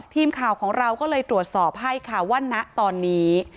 ทีมข่าวของเราก็เลยตรวจสอบให้ค่ะว่าณตอนนี้